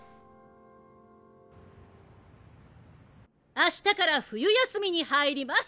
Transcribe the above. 明日から冬休みに入ります。